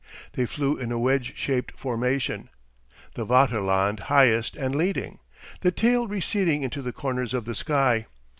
They flew in a wedge shaped formation, the Vaterland highest and leading, the tail receding into the corners of the sky.